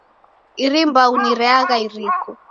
Iri mbau ni reagha iriko.